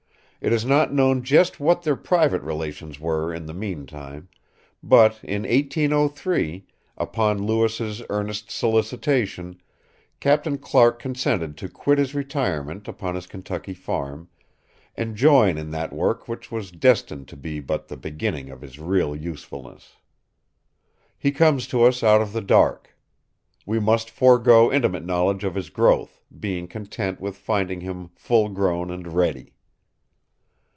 It is not known just what their private relations were in the mean time; but in 1803, upon Lewis's earnest solicitation, Captain Clark consented to quit his retirement upon his Kentucky farm and join in that work which was destined to be but the beginning of his real usefulness. He comes to us out of the dark. We must forego intimate knowledge of his growth, being content with finding him full grown and ready.